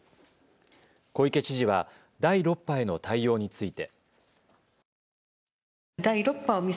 小池知事は第６波への対応について。